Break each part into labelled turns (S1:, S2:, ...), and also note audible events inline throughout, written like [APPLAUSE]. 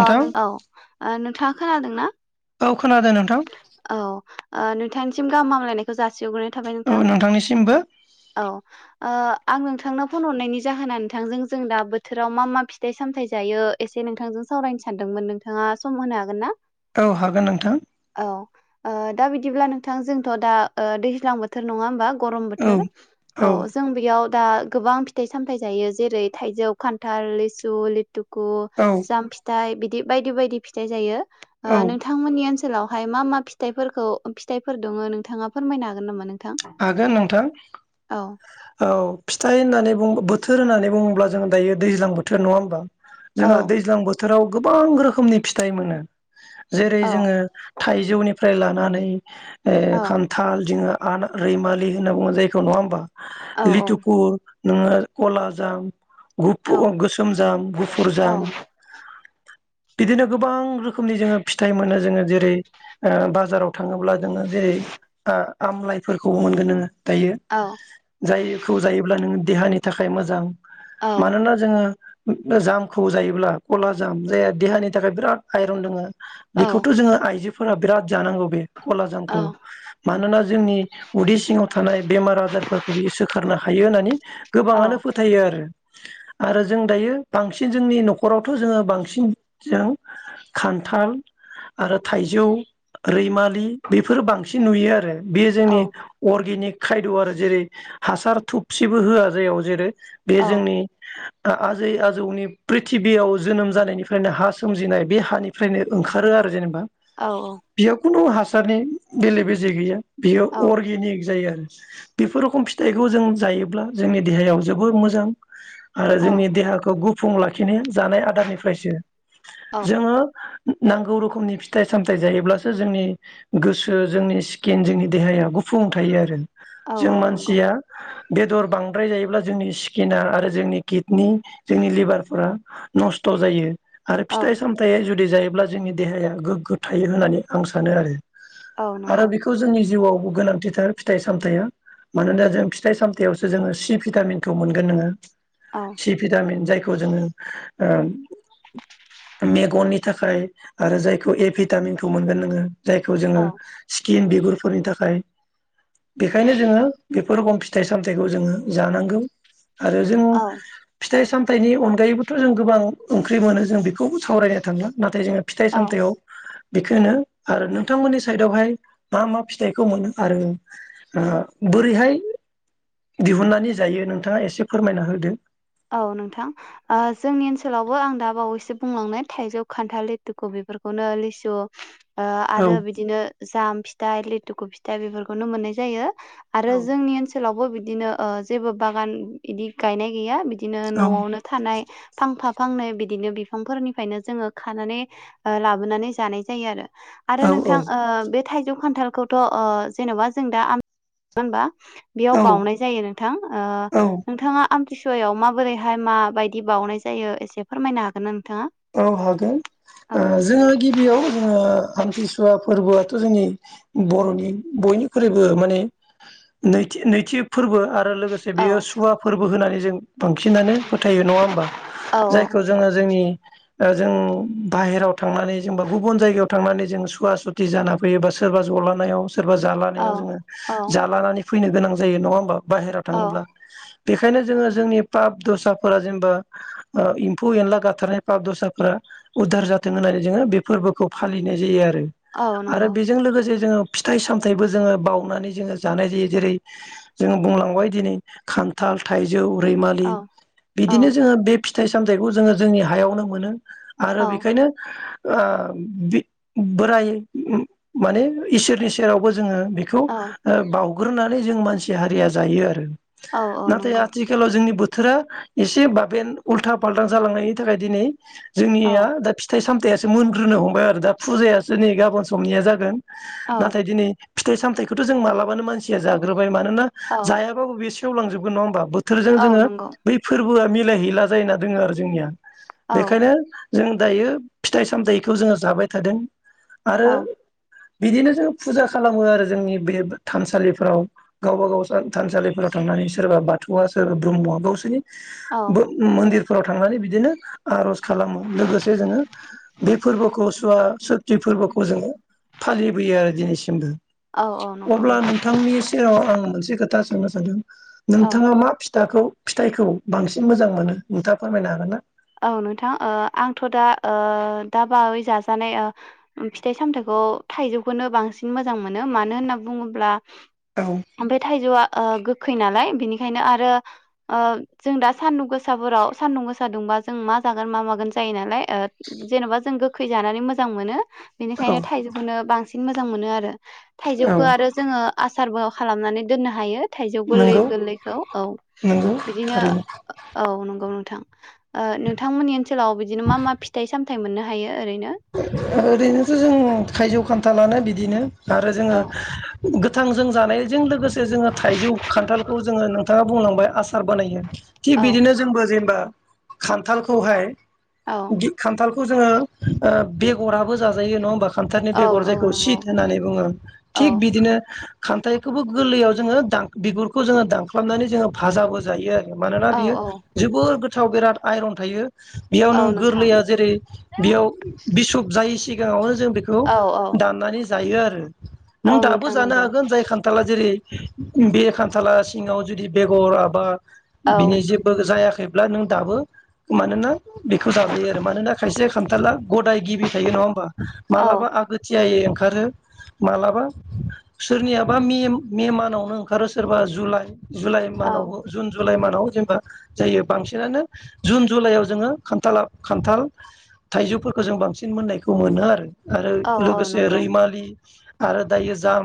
S1: ओ नों औ ओ नों थाङा खोनादों ना?
S2: औ खोनादों नोंथां
S1: औ ओ नोंथां सिम गाहामलायनायखौ जासि हरग्रोनाय थाबाय
S2: औ
S1: नोंथां
S2: नोंथांनिसिमबो
S1: औ ओ आं नोंथांननो फन हरनायनि जाहोना नोंथांजों जों दा बोथोराव मा मा फिथाइ सामथायाइ जायो एसे नोंथांजों सावरायनो सानदोंमोन नोंथाङा सम होनो हागोन ना?
S2: औ हागोन नोंथां ।
S1: औ ओ दा बिदिब्ला नोंथां जोंथ' दा ओ दैज्लां बोथोर नङा होमबा? गरम
S2: औ
S1: बोथोर औ जों बेयाव दा गोबां फिथाइ सामथायाइ जायो जेरै थाइजौ, खान्थाल, लिसु, लिथु खु
S2: औ
S1: जाम फिथाइ बिदि बि बायदि बायदि फिथाइ जायो
S2: औ ।
S1: मोननि ओनसोलावहाय मा मा फिथफोरखौ फिथाइफोर दङ नोंथाङा फोरमायनो हागोन नामा नोंथां?
S2: हागोन नोंथां ।
S1: औ ।
S2: औ फिथाइ होननानै बुं बोथोर होननानै बुङोब्ला जोंङो दायो दैज्लां बोथोर नङा होनोमबा?
S1: औ
S2: जोंहा दैज्लां बोस बोथोराव गोबां रोखोमनि फिथाइ मोनो । जेरै
S1: औ
S2: जोङो थाइजौनि फ्राय लानानै ए
S1: औ
S2: खान्थाल [UNINTELLIGIBLE] [UNINTELLIGIBLE] रैमालि होनना बुङो जायखौ नङा होमबा?
S1: औ
S2: लिथुकु नोङो कला जाम गुबफु
S1: औ
S2: ओ गुफुर गोसोम जाम गुफुर
S1: औ
S2: जाम बिदिनो गोबां रोखोमनि जोङो फिथाइ मोनो जोङो जेरै ओ बाजाराव थाङोब्ला जोङो जेरै ओ आमलाय फोरखौबो मोनगोन नोङो दायो
S1: औ
S2: जायखौ जायोब्ला नोङो देहानि थाखाय मोजां
S1: औ
S2: मानोना जोंङो [UNINTELLIGIBLE] जामखौ जायोब्ला क'लाजाम जायहा देहानि थाखाय बिराद आइरन दोंङो
S1: औ
S2: बेखौथ' जोंङो आइजोब फोरा बिराद जानांगौ बे क'लाजामखौ
S1: औ
S2: मानोना जोंनि उदै सिङाव थानाय बेमार आजारफोरखौ बियो सोखारनो हायो होननानै गोबांआनो फोथायो आरो। आरो जों दायो बांसिन जोंनि न'खरावथ' जोङो बांसिन जों खान्थाल आरो थाइजौ रैमालि बेफोरो बांसिन नुयो आरो बेयो
S1: औ
S2: जोंनि अर्गेनिक खायद' आरो जेरै हासार थुबसिबो होआ जेयाव जेरै बे
S1: औ
S2: जोंनि ओ आजै -आजौनि प्रिथिबियाव जोनोम जानायनिफ्रायनो हा सोमजिनाय बे हानिफ्रायनो ओंखारो आरो जेनेबा बियो खुनु हास सारनि बेले बेजे गैया।
S1: औ
S2: अर्गेनिक जायो आरो बेफोरखम फिथाइखौ जों जायोब्ला जोंनि देहायाव जोबोर मोजां आरो
S1: औ
S2: जोंनि देहाखौ गु फुं लाखिनो जानाय आदारनिफ्रायसो जोंङो [UNINTELLIGIBLE] नांगौ रोखोमनि फिथाइ- सामथाइ जायोब्लासो जोंनि गोसो जोंनि स्किन जोंनि देहाया गुफुं थायो आरो
S1: औ
S2: जों
S1: औ नंगौ
S2: मानसिया बेदर बांद्राय जायोब्ला जोंनि स्किना आरो जोंनि किडनि जोंनि लिबारफ्रा नस्थ' जायो। आरो
S1: औ
S2: फिथाइ -सामथाइ जुद दि जायोब्ला जोंनि देहाया गोग्गो थायो होननानै आं सानो आरो
S1: औ
S2: आरो
S1: नंगौ
S2: बेखौ जोंनि जिउआव गोनांथिथार फिथाइ सामथाइया मानोना जों फिथाइ सामथाइयावसो जोंङो सि भिटामिनखौ मोनगोन नोंङो
S1: औ
S2: सि भिटामिन जाय। खौ जोंओ मेगननि थाखाय आरो जायखौ ए भिटामिनखौ मोनगोन नोंओ। जायखौ जोंओ।
S1: औ
S2: सिखिन बिगुरफोरनि थाखाय। बेखायनो जोंओ बेफोर रोखोम फिथाइ सामथाइखौ जोंओ जानांगौ। आरो जों।
S1: औ
S2: फिथाइ सामथाइनि अनगायैबोथ' जों गोबां ओंख्रि मोनो जों बेखौबो सावरायनो थांला नाथाय जोङो फिथाइ
S1: औ
S2: सामथायाव बेखोनो आरो नोंथांमोननि साइडआवहाय मा मा फिथाइखौ मोनो आरो बोरैहाय दिहुननानै जायो नोंथाङा एसे फोरमायना होदो
S1: औ नोंथां जोंनि ओनसोलावबो आं दा बावैसो बुंलांनाय थाइजौ खान्थाल लेथुखु बेफोरखौनो लिसु
S2: औ
S1: आरो बिदिनो जाम फिथाइ लि दुखु फिथा बेफोरखौनो मोननाय जायो
S2: औ
S1: आरो जोंनि ओनसोलावबो बिदि बिदिनो जेबो बागान इदि गायनाय गैया बिदि बिदिनो न'आवनो थानाय फांफा फांनै बिदिनो बिफांफोरनिफ्रायनो जोङो खानानै लाबोनानै जानाय जायो आरो
S2: औ
S1: आरो नोंथां बे थाइजौ खान्थालखौथ' जेनबा जों दा आमथिसुवा नङा होनबा बेयाव
S2: औ
S1: बाउनाय जायो नोंथां
S2: औ
S1: नोंथाङा आमथिसुवायाव मा बोरैहाय माबायदि बावउनाय जायो एसे फोरमायनो हागोना नों
S2: औ हागोन जोङो गिबियाव जोङो आमथिसुवा फोरबोआ जोंनि बर'नि बयनिख्रुइबो माने नैथि फोरबो आरो आरो लोगोसे
S1: औ
S2: बेयो सुवा फोरबो होनानै जों बांसिनानो फोथायो नङा होमबा
S1: औ
S2: जायखौ जोङो जोंनि जों बाहेराव थांनानै जोंबा गुबुन जायगायाव थांनानै जों सुवा सुथि जाना फैयो बा सोरबा जलानायाव सोरबा
S1: औ
S2: जालानायाव जोङो जालानानै फैनो गोनां जायो नङा होनबा बाहेरायाव
S1: औ
S2: थाङोब्ला बेखायनो जोङो जोंनि पाप दसाफोरा जेनेबा एम्फौ एनला गाथारनाय पाब दस्राफोरा उधार जाथों होननानै जोङो बे फोरबोखौ फालिनाय जायो आरो
S1: औ
S2: आरो
S1: नंगौ
S2: बेजों लोगोसे जोङो फिथाइ सामथायाइबो जोङो बावनानै जोङो जानाय जायो जेरै जोङो बुंलांबाय दिनै खान्थाल थाइ जौ रैमालि
S1: औ औ
S2: बिदिनो जोङो बे फिथाइ सामथायखौ जोङो जोंनि हायावनो मोनो आरो
S1: औ
S2: बेखायनो ओ बि बोराय माने इसोरनि सेरावबो जोङो बेखौ
S1: औ
S2: ओ बाव गुरनानै जों मानसि हारिया जायो आरो।
S1: औ औ
S2: नाथाय
S1: नंगौ
S2: आथिखालाव जोंनि बो बोथोरा एसे बाबेन उल्था फाल्थां जालांनायनि थाखाय दिनै
S1: औ
S2: जोंनिया दा फिथाइ साम दाइयासो मोनग्रोनो हमबाय आरो दा फुजायासो नै गाबोन समनिया जागोन।
S1: औ
S2: नाथाय दिनै फिथाइ सामथायखौथ' जों मालाबानो मानसिया जाग्रो बाय मानोना
S1: औ
S2: जायाबाबो बे सेवलां जोबगोन नङा होमबा बो थोरजों
S1: औ
S2: जोङो
S1: नंगौ
S2: बै फोरबोआ मिलायहैला जायना दोङो आरो जोंनिया।
S1: औ
S2: बेखायनो जों दायो फिथाइ सामथायाइखौ जोङो जाबाय थादों। आरो
S1: औ
S2: बिदिनो जों फुजा खालामो आरो जोंनि बे थानसालिफोराव गावबा गाव थानसालिफोराव थांनानै सोरबा बाथौवआ सोरबा ब्रह्मआ गावसोरनि ब
S1: औ
S2: मन्दिर फोराव थांनानै बिदिनो आरज खालामो लोगोसे जोङो बे फोरबोखौ सुवा सुति फोरबोखौ जोङो फालिबोयो आरो दिनैसिम।
S1: औ औ
S2: होनदो। अब्ला
S1: नंगौ
S2: नोंथांनि सेराव आं मोनसे खोथा दा सोंनो सादों।
S1: औ
S2: नोंथाङा मा फि दाखौ फिथाइखौ बांसिन मोजां मोनो नोंथाङा फोरमायनो हागोन ना?
S1: औ नोंथां ओ आंथ' दा ओ दा बावै जाजानाय फिथाइ सामथायाइखौ थाइजौखौनो बांसिन मोजां मोनो मानो होनना बुङोब्ला
S2: औ
S1: ओमफ्राय थाइजौआ ओ गो खै नालाय बिनिखायनो आरो ओ जों दा सान्दुं गोसाफोराव सानान्दुं गोसा दुंबा जों मा जागोन मा मागोन जायो नालाय ओ जेन'बा जों गोखै जानानै मोजां मोनो।
S2: औ
S1: बेनिखायनो थाइजौखौनो बांसिन बिदिनो मोजां मोनो आरो।
S2: औ
S1: थाइजौखौ आरो जोङो आस आसारबो खालामनानै दोननो हायो। थाइजौ गोरलै
S2: नंगौ
S1: गोरलैखौ औ
S2: नंगौ
S1: बिदिनो
S2: थारैनो
S1: औ नंगौ नों थां ओ नोंथांमोननि ओनसोलाव बिदिनो मा मा फिथाइ सामथाइ मोननो हायो। ओरैनो
S2: ओरैनोथ' जों थाइजौ खान थानानो बिदिनो आरो जोङो
S1: औ
S2: गोथां जों जानायजों लोगोसे जोङो थाइजौ खान्थालखौ जोङो। नोंथाङा बुंलांबाय आसार बानायो। थिग
S1: औ
S2: बिदिनो जोंबो जेनेबा खान्थालखौहाय
S1: औ
S2: गि खान्थाल खौ जोङो ओ बेगराबो जाजायो नङा होमबा खानथालनि
S1: औ
S2: बेगर
S1: औ
S2: जायखौ
S1: नंगौ
S2: सित होननानै बुङो
S1: औ
S2: थिग बिदिनो खान्थाइखौबो गोरलैयाव जोङो दान बिगुरखौ जोङो दानख्लाबनानै जोङो भाजाबो जायो आरो। मानोना
S1: औ
S2: बियो
S1: औ
S2: जोबोर गो थाव बिराद आइरन थायो। बेयावनो
S1: औ नोंथां
S2: गोरलैया जेरै बेयाव बिसुब जायैसि सिगाङावनो जों बेखौ
S1: औ औ
S2: दाननानै जायो आरो।
S1: औ
S2: नों दाबो
S1: नोंथां
S2: जानो
S1: नंगौ
S2: हागोन जाय खान्थाला जेरै बे खान्थाला सिङाव जुदि बेगर आबाद
S1: औ
S2: बिनि जेबो जायाखै। खैब्ला नों दाबो मानोना बेखौ जाजायो आरो मानोना खायसे गदाय गिबि थायो नङा होमबा?
S1: औ
S2: मालाबा आगोथियायै ओ ओंखारो मालाबा सोरनियाबा मे मे मानावनो ओंखारो सोरबा जुलाइ। जुलाइ
S1: औ
S2: मावनावबो जुन जु। लाइ मानाव जेनेबा जायो बांसिनानो जुन जुलाइआव जोङो खान्थाला खान्थाल थाइजौफोरखौ जों बांसिन मोननायखौ मोनो आरो। आरो
S1: औ औ
S2: लोगोसे
S1: नंगौ
S2: रैमालि आरो दायो जाम।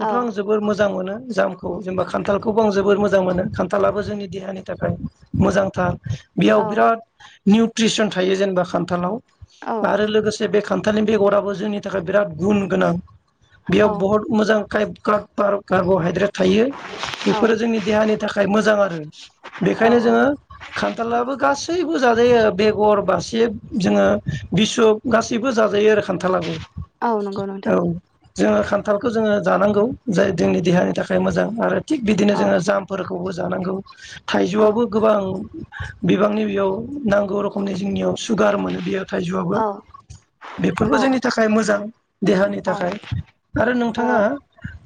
S1: औ
S2: आं जोबोर मोज जां मोनो जामखौ जेनेबा खान्थालखौबो आं जोबोर मोजां मोनो खान्थाबो जोंनि देहानि थाखाय मोजांथार । बेयाव
S1: औ
S2: बिराद। निउट्रिसन थायो जेनेबा खान थालाव
S1: औ
S2: आरो लोगोस जे बे खान्थालनि बेगराबो जोंनि थाखाय बिराद गुन गोनां ।
S1: औ
S2: बेयाव बहुद मोजां काइफ खाथ बार' कार्ब'हाइद्रेट थायो बेफोरो जोंनि देहानि थाखाय मोजां आरो
S1: औ
S2: बेखायनो
S1: औ
S2: जोङो खान्थालाबो गासैबो जाजायो बेगर बासिर जोङो बिशुब गासैबो जाजायो आरो खान्थालाबो
S1: औ नंगौ
S2: ।
S1: नोंथां
S2: औ जोङो खान्थालखौ जोङो जानांगौ जाय जोंनि देहानि थाखाय मोजां आरो थिग बिदिनो
S1: औ
S2: जोङो जामफोरखौबो जानांगौ।
S1: औ
S2: थाइजौआबो गोबां बिबांनि बेयाव नांगौ रखमनि जोंनियाव सुगार मोनो बेयो थाइजौआबो
S1: औ
S2: बेफोरबो
S1: औ
S2: जोंनि थाखाय मोजां देहानि थाखाय आरो नोंथाङा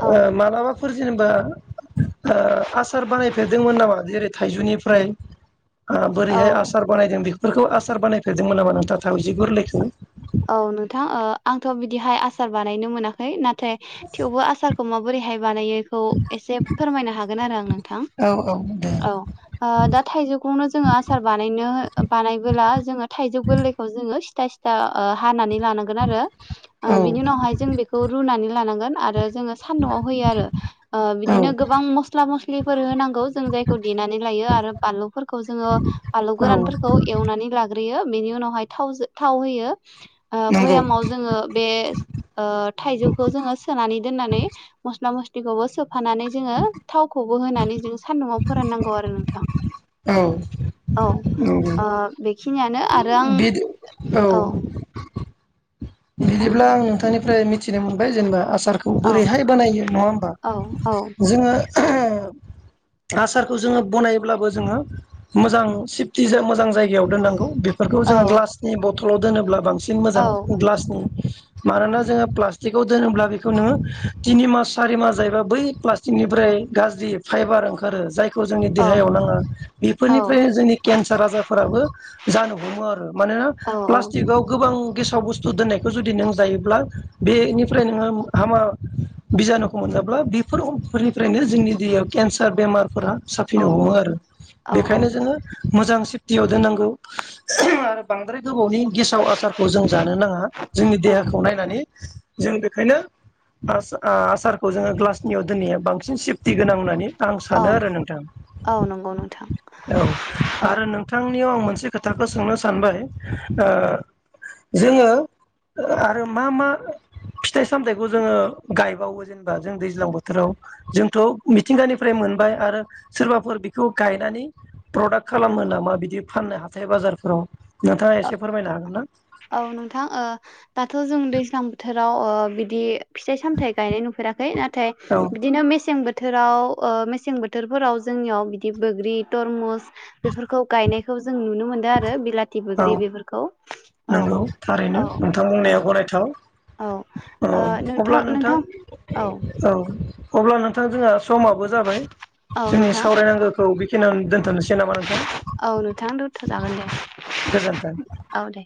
S2: ओ मालाबाफोर जेनेबा ओ आसार बानायफेरदोंमोन नामा जेरै थाइजौनिफ्राय? ओ
S1: औ
S2: बोरैहाय आसार बानायदों बेख फोरखौ आसार बानायद फेरदोंमोन नामा नोंथाङा थावजि गोरलैखौ?
S1: औ नोंथां ओ आंथ' बिदिहाय आस सार बानायनो मोनाखै नाथ थाय थेवबो आसारखौ माबोरैहाय बानायो बेखौ एसे फोरमायनो हागोन आरो आं नोंथां
S2: औ औ दे
S1: औ ओ दा थाइजौखौनो जोङो आसार बानायनो बानायबोला जोङो थाइजौ गोरलैखौ जोङो सिथा सिथा ओ हानानै लानांगोन आरो
S2: औ
S1: ओ बिनि उनावहाय जों बेखौ रुनानै लानांगोन आरो जोङो सान्दुङाव होयो आरो ओ
S2: औ
S1: बिदिनो गोबां मस्ला मस्ल फ्रिफोर होनां गौ जों जायखौ देनानै लायो आरो बानलुफोरखौ जोङो बानलु
S2: औ
S1: गोरानफोरखौ एवनानै लाग्रोयो । बेनि उनावहाय थावजों थाव होयो । ओ
S2: नंगौ
S1: भयामाव जोङो बे ओ थाइजौखौ जोङो सोनानै दोननानै मस्ला मस लिखौ सो फानानै जोङो थावखौ होनानै जों सानदुङाव फोराननांगौ आरो नोंथां
S2: औ
S1: औ ओ बेखि
S2: बिदि औ [INAUDIBLE] [INAUDIBLE]
S1: नोंथां
S2: बिदिब्ला आं नोंथांनि फ्राय मिथिना मोनबाय जेनेबा आस टारखौ
S1: औ
S2: बोरैहाय बानायो नङा होमबा
S1: औ औ
S2: जोङो ओ आसारखौ जोङो बनायब्लाबो जोङो मोजां सेफटि मोजां जायगायाव दोननांगौ बे
S1: औ
S2: जोंङो ग्लासनि बथल सल' दोनोब्ला बां सिन मोजां
S1: औ
S2: ग्लास मानोना जोङो प्लाटिकआव दोनोब्ला बेखौ नोङो तिनि मास सारि मास जायोैबा बै प्लास्टिकनिफ्राय गाज्रि फाइबार ओंखार जाय खौ जोंनि
S1: औ
S2: देहायाव नाङा
S1: औ
S2: बेफोरनिफ्रायनो जोंनि केन्सार आजारफोराबो जानो हमो आरो मानोना
S1: औ
S2: प्लास्टिकआव गोबां गेसाव बुस्थु दोननायखौ जुदि नों जायोब्ला बेनिफ्राय नोङो हामा बिजानुखौ मोनाब्ला बेफोर फोरनिफ्रायनो जोंनि दैयाव केन्सार बेमारफोरा
S1: औ
S2: साफिनो हमो आरो बेखायनो
S1: औ
S2: जोङो मोजां सेफटियाव दोननांगौ आरो बांद्राय गोबावनि गेसाव आसारखौ जों जानो नाङा। जोंनि
S1: औ
S2: देहाखौ नायनानै जों बेखायनो आसारखौ जोङो ग्लासनियाव दोननाया बांसिन सेफटि गोनां होननानै आं
S1: औ
S2: सानो आरो नोंथां
S1: औ नंगौ नोंथां
S2: औ
S1: औ
S2: आरो नोंथांनियाव आं मोन से खोथाखौ सोंनो सानबाय जोङो ओ आरो मा मा फिथाइ सामथायाइखौ जोङो गायबावो जेनेबा जों दैज्लां बोथोराव जोंथ' मिथिंगानिफ्राय मोनबाय आरो सोरबाफोर बेखौ गायनानै प्रदाक्ट खालामो नामा बिदि फाननाय हाथाय बाजारफोराव नोंथाङा
S1: ओ
S2: एसे फोरमायनो हागोन ना?
S1: औ नोंथां ओ दाथ' जों दैज्लां बोथोराव ओ बिदि फिथाइ सामथाइ गायनाय नुफेराखै नाथाय
S2: औ
S1: बिदिनो मेसें बो बोथोराव मेसें बोथोरफोराव जोंनियाव बिदि बोग्रि तरमुस बेफोरखौ गायनाय जों नुनो मोनदों आरो बिला
S2: औ नंगौ
S1: औ
S2: थारैनो नोंथां
S1: औ
S2: बुंनाया गनायथाव
S1: औ
S2: अ अब्ला नोंथां औ अब्ला नोंथां जोंहा समाबो जाबाय
S1: औ
S2: जोंनि
S1: नोंथां
S2: सावरायनांगोखौ बेखिनियावनो दोनथ'नोसै नामा नोंथां
S1: औ नोंथां जागोन दे
S2: गोजोन्थों।
S1: औ दे